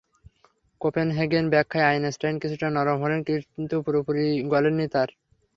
Copenhagen ব্যাখ্যায় Einstein কিছুটা নরম হলেন, কিন্তু পুরোপুরি মন গলেনি তাঁর।